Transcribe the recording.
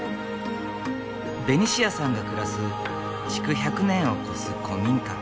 ベニシアさんが暮らす築１００年を超す古民家。